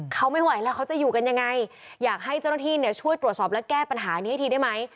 เขาไม่ไหวแล้วเขาจะอยู่กันยังไงอยากให้เจ้าหน้าที่เนี่ยช่วยตรวจสอบและแก้ปัญหานี้ให้ทีได้ไหม